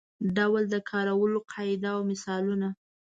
ډول د کارولو قاعده او مثالونه.